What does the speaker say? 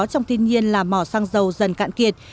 trong thiên nhiên là mỏ xăng dầu dần cạn kiệt